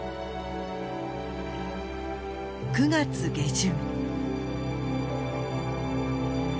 ９月下旬。